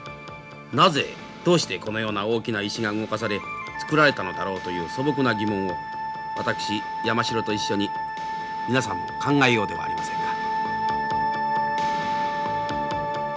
なぜどうしてこのような大きな石が動かされ造られたのだろうという素朴な疑問を私山城と一緒に皆さんも考えようではありませんか。